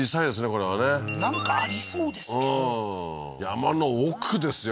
これはねなんかありそうですけどうん山の奥ですよ